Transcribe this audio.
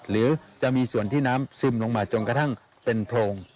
หรือจะมีส่วนที่น้ำซึมลงมาจนกระทั่งเป็นโพรง